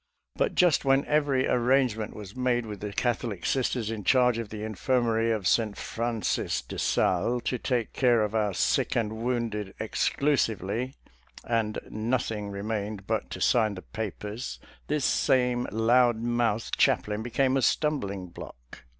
But just when every arrangement was made with the Catholic sisters in charge of the Infirmary of St. Francis de Sales to take care of our sick and wounded exclusively, and nothing remained but to sign the papers, this same loud mouthed chap lain became a stumbling block.